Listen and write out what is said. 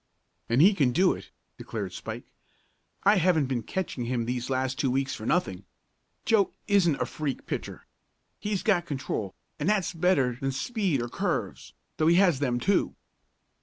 "And he can do it!" declared Spike. "I haven't been catching him these last two weeks for nothing. Joe isn't a freak pitcher. He's got control, and that's better than speed or curves, though he has them, too."